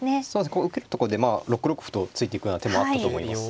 ここ受けるところで６六歩と突いていくような手もあったと思います。